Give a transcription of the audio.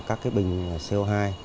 các cái bình co hai